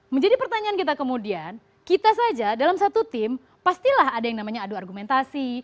menjadi pertanyaan kita kemudian kita saja dalam satu tim pastilah ada yang namanya adu argumentasi